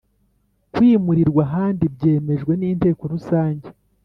kwimurirwa ahandi byemejwe n Inteko Rusange